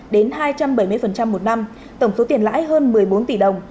một trăm linh chín đến hai trăm bảy mươi một năm tổng số tiền lãi hơn một mươi bốn tỷ đồng